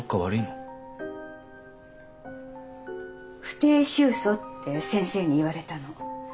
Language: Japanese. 不定愁訴って先生に言われたの。